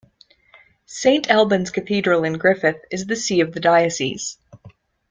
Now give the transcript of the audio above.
Saint Albans Cathedral in Griffith is the see of the diocese.